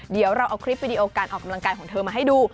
เดี๋ยวเราเอาคลิปวิดีโอการออกกำลังกายของเธอมาให้ดู